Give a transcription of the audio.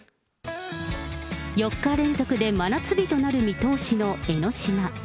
４日連続で真夏日となる見通しの江の島。